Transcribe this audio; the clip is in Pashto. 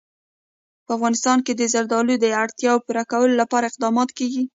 په افغانستان کې د زردالو د اړتیاوو پوره کولو لپاره اقدامات کېږي.